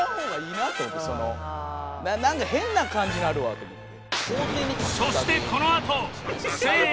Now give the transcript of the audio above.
なんか変な感じなるわと思って。